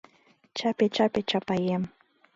Чапе-чапе чапаем